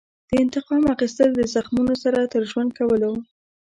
د انتقام اخیستل د زخمونو سره تر ژوند کولو.